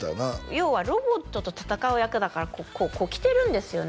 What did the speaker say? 要はロボットと戦う役だからこう着てるんですよね